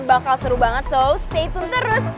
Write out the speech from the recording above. bakal seru banget so stay tune terus